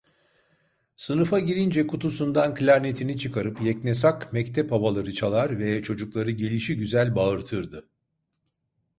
Sınıfa girince kutusundan klarnetini çıkarıp yeknesak mektep havaları çalar ve çocukları gelişigüzel bağırtırdı.